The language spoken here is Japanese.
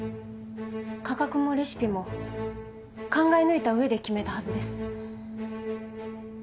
価格もレシピも考え抜いた上で決めたはずです。